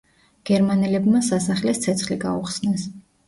გერმანელებმა სასახლეს ცეცხლი გაუხსნეს.